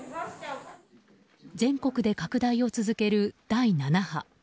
全国で拡大を続ける第７波。